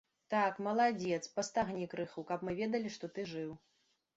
Так, маладзец, пастагні крыху, каб мы ведалі, што ты жыў.